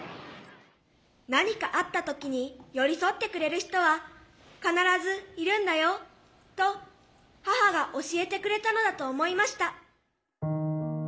何かあった時に寄り添ってくれる人は必ずいるんだよと母が教えてくれたのだと思いました。